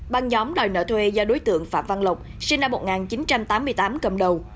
băng nhóm đòi nợ thuê do đối tượng phạm văn lộc sinh năm một nghìn chín trăm tám mươi tám cầm đầu